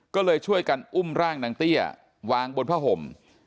ก็เลยช่วยกันอุ้มร่างนางเตี้ยวางบนผ้าห่ม